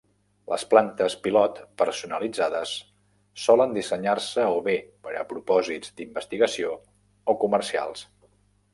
Les plantes pilot personalitzades solen dissenyar-se o bé per a propòsits d'investigació o comercials.